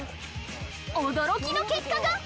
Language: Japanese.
驚きの結果が！